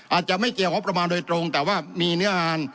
อาจจะไม่เกี่ยวงบประมาณโดยตรงแต่ว่ามีเนื้องาน